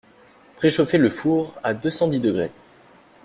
Préchauffer le four à deux cent dix degrés